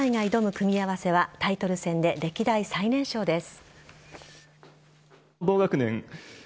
組み合わせはタイトル戦で歴代最年少です。